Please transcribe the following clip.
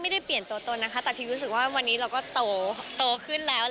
ไม่ได้เปลี่ยนตัวตนนะคะแต่พิมรู้สึกว่าวันนี้เราก็โตขึ้นแล้ว